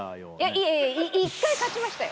いやいや１回勝ちましたよ